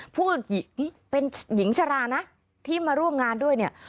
ผู้หญิงเป็นหญิงชรานะที่มาร่วมงานด้วยเนี่ย